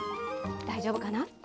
大丈夫かな。